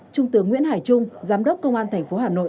trung tướng nguyễn hải trung giám đốc công an thành phố hà nội